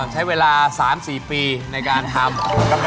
ใช้เวลา๓๔ปีในการทำ